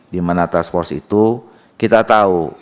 di mana task force itu kita tahu